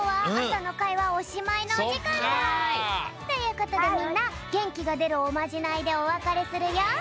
そっか！ということでみんなげんきがでるおまじないでおわかれするよ。